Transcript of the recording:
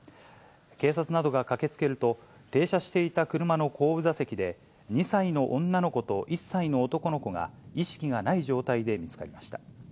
警察などが駆けつけると、停車していた車の後部座席で、２歳の女の子と１歳の男の子が、意識がない状態で見つかりました。